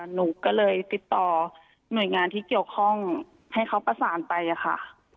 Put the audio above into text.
หนูก็เลยติดต่อหน่วยงานที่เกี่ยวข้องให้เขาประสานไปค่ะ